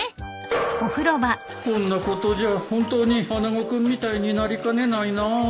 こんなことじゃ本当に穴子君みたいになりかねないな。